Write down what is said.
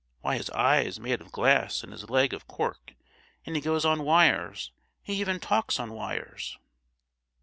Why, his eye is made of glass, and his leg of cork, and he goes on wires; he even talks on wires!"